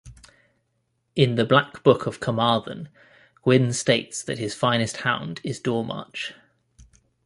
In the Black Book of Carmarthen Gwyn states that his finest hound is Dormarch.